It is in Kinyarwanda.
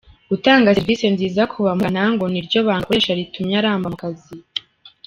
Gutanga serivisi nziza ku bamugana ngo ni ryo banga akoresha ritumye aramba mu kazi.